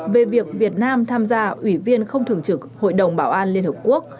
về việc việt nam tham gia ủy viên không thường trực hội đồng bảo an liên hợp quốc